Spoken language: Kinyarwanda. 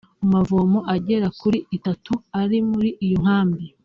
Ku mavomo agera kuri itatu ari muri iyo nkambi